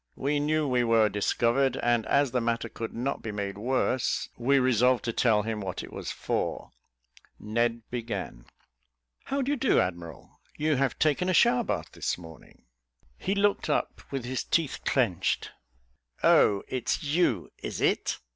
We knew we were discovered; and as the matter could not be made worse, we resolved to tell him what it was for. Ned began. "How do you do, admiral? you have taken a shower bath this morning." He looked up, with his teeth clenched "Oh, it's you, is it?